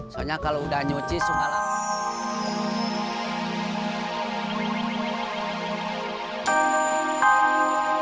soalnya kalau udah nyuci sungguh alam